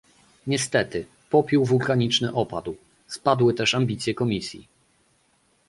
Niestety, popiół wulkaniczny opadł, spadły też ambicje Komisji